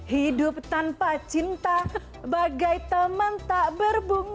hidup tanpa cinta bagai teman tak berbunga